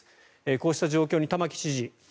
こうした状況に玉城知事